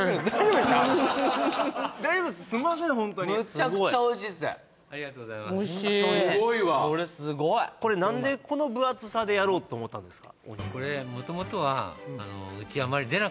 ・大丈夫です？すいませんホントに・むちゃくちゃおいしいですありがとうございますおいしい・これすごいこれ何でこの分厚さでやろうと思ったんですか？